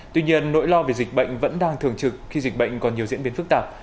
tuy nhiên nỗi lo về dịch bệnh vẫn đang thường trực khi dịch bệnh còn nhiều diễn biến phức tạp